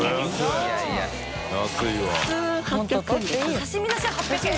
刺し身なし８００円！